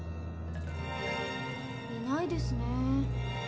いないですね。